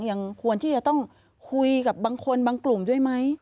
ยังควรที่จะต้องคุยกับบางคนบางกลุ่มด้วยไหม